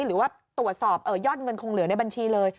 หรือว่าตรวจสอบยอดเงินคงเหลือในบัญชีเลย